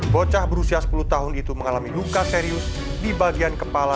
bocah berusia sepuluh tahun itu mengalami luka serius di bagian kepala